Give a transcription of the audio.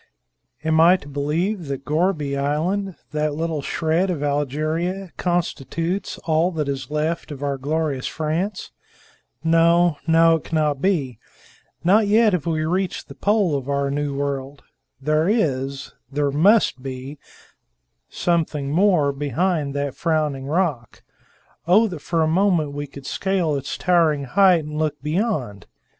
"Am I to believe that Gourbi Island, that little shred of Algeria, constitutes all that is left of our glorious France? No, no; it cannot be. Not yet have we reached the pole of our new world. There is there must be something more behind that frowning rock. Oh, that for a moment we could scale its towering height and look beyond!